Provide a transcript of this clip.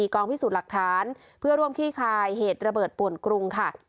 กองพิสูจน์หลักฐานเพื่อร่วมขี้คลายเหตุระเบิดป่วนกรุงค่ะ